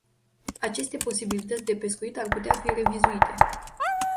Aceste posibilități de pescuit ar putea fi revizuite.